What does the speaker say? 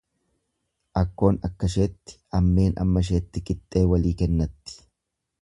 Akkoon akkasheetti, ammeen ammasheetti qixxee walii kennatti.